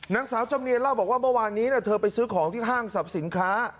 จำเนียนเล่าบอกว่าเมื่อวานนี้เธอไปซื้อของที่ห้างสรรพสินค้า